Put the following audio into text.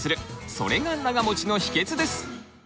それが長もちの秘けつです！